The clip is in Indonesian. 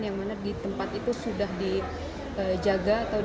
yang mana di tempat itu sudah dijaga